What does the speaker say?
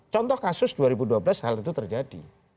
contoh kasus dua ribu dua belas hal itu terjadi